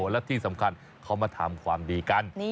และที่สำคัญเขามาทำความดีกัน